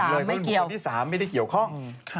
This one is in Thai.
เพราะเป็นคนที่๓ไม่ได้เกี่ยวข้อง